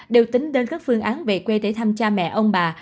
đều tính đến các phương án về quê để thăm cha mẹ ông bà